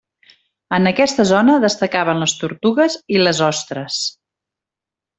En aquesta zona destacaven les tortugues i les ostres.